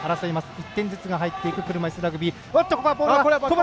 １点ずつ入っていく車いすラグビー。